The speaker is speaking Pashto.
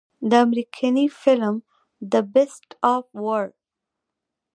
د امريکني فلم The Beast of War